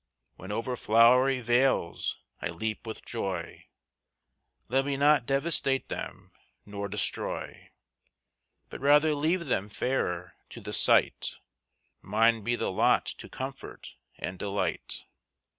When over flowery vales I leap with joy, Let me not devastate them, nor destroy, But rather leave them fairer to the sight; Mine be the lot to comfort and delight.